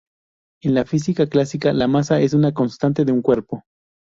En la física clásica, la masa es una constante de un cuerpo.